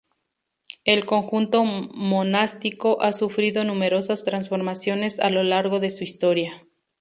El conjunto monástico ha sufrido numerosas transformaciones a lo largo de su historia.